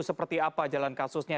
seperti apa jalan kasusnya